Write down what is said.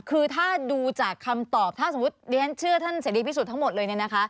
คือถ้าดูจากคำตอบถ้าสมมุติท่านเชื่อท่านเสรีพิสูจน์ทั้งหมดเลย